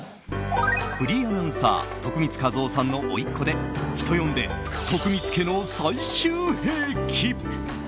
フリーアナウンサー徳光和夫さんの甥っ子で人呼んで、徳光家の最終兵器。